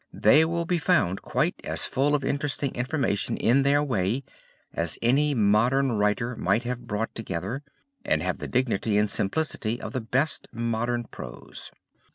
They will be found quite as full of interesting information in their way as any modern writer might have brought together, and have the dignity and simplicity of the best modern prose.